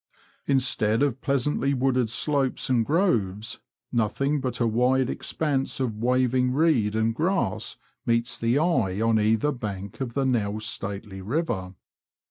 Instead of pleasantly wooded slopes and groves, nothing but a wide expanse of waving reed and grass meets the eye on either bank of the now stately river.